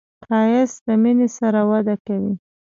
ښایست له مینې سره وده کوي